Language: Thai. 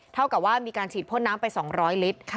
เท่ากับว่ามีการฉีดพ่นน้ำไป๒๐๐ลิตร